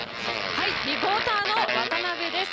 リポーターの渡辺です。